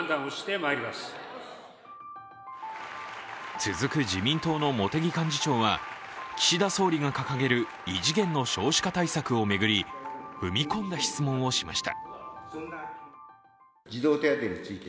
続く自民党の茂木幹事長は岸田総理が掲げる異次元の少子化対策を巡り、踏み込んだ質問をしました。